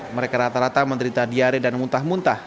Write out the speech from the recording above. mereka rata rata menderita diare dan muntah muntah